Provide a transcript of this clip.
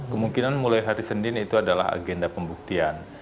kemungkinan mulai hari senin itu adalah agenda pembuktian